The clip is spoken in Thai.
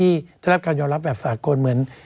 ได้รับการยอมรับแบบสากลเหมือน